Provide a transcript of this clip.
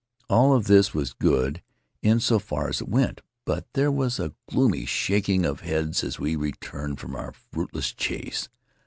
All of this was good, in so far as it went, but there was a gloomy shak ing of heads as we returned from our fruitless chase.